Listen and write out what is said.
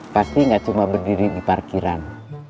pasti nggak cuma berdiri di parkiran